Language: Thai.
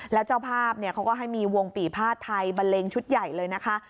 แล้วเจ้าภาพเขาก็ให้มีวงปีภาษไทยบันเลงชุดใหญ่เลยนะคะ